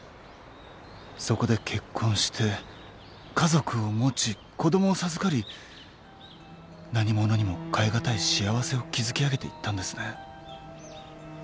そこで結婚して家族を持ち子供を授かり何物にも替え難い幸せを築き上げていったんですね。